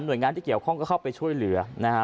โดยงานที่เกี่ยวข้องก็เข้าไปช่วยเหลือนะฮะ